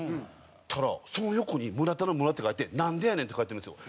そしたらその横に村田の「村」って書いて「なんでやねん！」って書いてるんですよ。